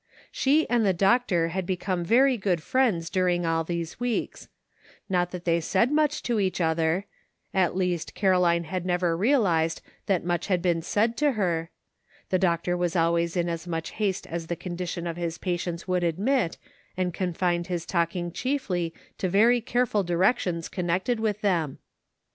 She and the doctor had become very good friends during all these weeks ; not that they said much to each other — at least Caroline had never realized that much had been said to her ; the doctor was always in as much haste as the condition of his patients would admit, and confined his talking chiefly, to very care ful directions connected with them.